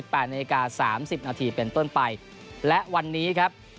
เป็นต้นไปและวันนี้ครับ